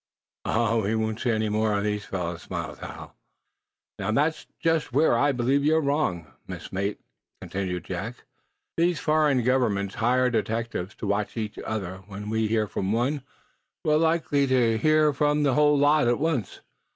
"Oh, we won't see any more of these fellows," smiled Hal. "Now, there's just where I believe you're wrong, messmate," Jack contended. "These foreign governments hire detectives to watch each other. When we hear from one, we're likely to hear from the whole lot at once.